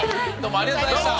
ありがとうございます。